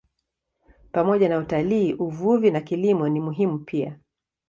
Pamoja na utalii, uvuvi na kilimo ni muhimu pia.